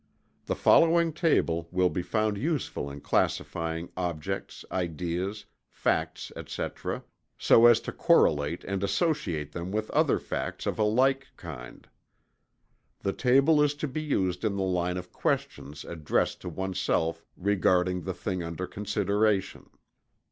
The following table will be found useful in classifying objects, ideas, facts, etc., so as to correlate and associate them with other facts of a like kind. The table is to be used in the line of questions addressed to oneself regarding the thing under consideration.